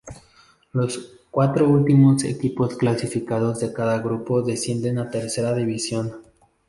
Los cuatro últimos equipos clasificados de cada grupo descienden a Tercera División.